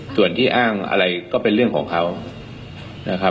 ส่วนที่อ้างอะไรก็เป็นเรื่องของเขานะครับ